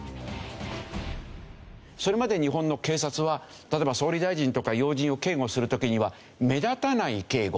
それまで日本の警察は例えば総理大臣とか要人を警護する時には目立たない警護。